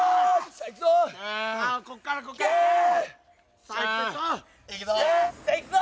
さあいくぞ！